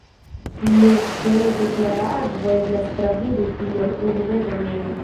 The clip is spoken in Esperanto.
Nur ĉe ege klara akvo eblas travidi pli ol unu metron enen.